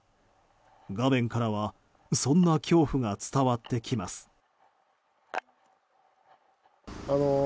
画面からはそんな恐怖が伝わってきます。